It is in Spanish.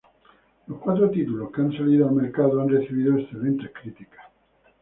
Los cuatro títulos que han salido al mercado han recibido excelentes críticas.